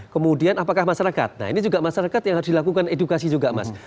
kemudian apakah masyarakat nah ini juga masyarakat yang harus dilakukan edukasi juga mas